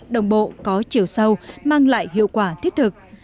đồng bộ có chiều sâu mang lại hiệu quả thiết thực